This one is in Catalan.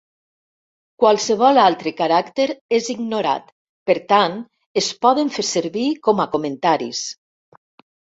Qualsevol altre caràcter és ignorat, per tant, es poden fer servir com a comentaris.